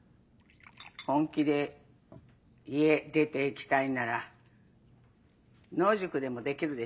本気で家出て行きたいんなら野宿でもできるでしょ。